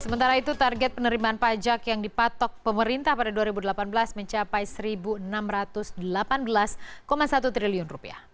sementara itu target penerimaan pajak yang dipatok pemerintah pada dua ribu delapan belas mencapai rp satu enam ratus delapan belas satu triliun